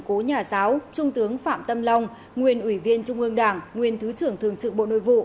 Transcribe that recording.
cố nhà giáo trung tướng phạm tâm long nguyên ủy viên trung ương đảng nguyên thứ trưởng thường trực bộ nội vụ